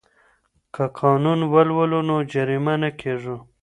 که قانون ولولو نو جریمه نه کیږو.